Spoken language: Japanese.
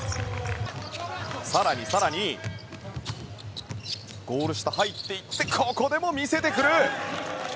更に更にゴール下入って行ってここでも見せてくる。